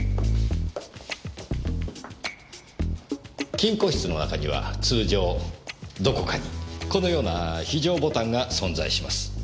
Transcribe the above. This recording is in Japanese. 金庫室の中には通常どこかにこのような非常ボタンが存在します。